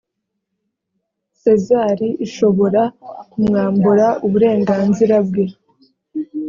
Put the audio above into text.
sezari ishobora kumwambura uburenganzira bwe